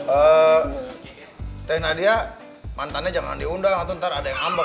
eh teh nadia mantannya jangan diundang atau ntar ada yang ambang